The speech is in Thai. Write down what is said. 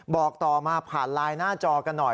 บอกต่อมาผ่านไลน์หน้าจอกันหน่อย